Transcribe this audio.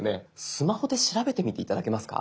スマホで調べてみて頂けますか。